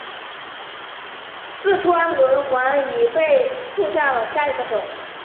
四川轮环藤为防己科轮环藤属下的一个种。